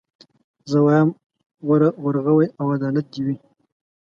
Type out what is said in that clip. زه وايم وروغي او عدالت دي وي